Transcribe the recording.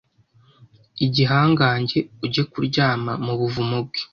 igihangange ujye kuryama mu buvumo bwe